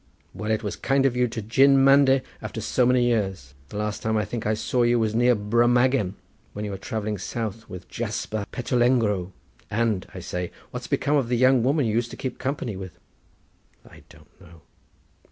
Well, it was kind of you to jin mande after so many years. The last time I think I saw you was near Brummagem, when you were travelling about with Jasper Petulengro and—I say, what's become of the young woman you used to keep company with?" "I don't know."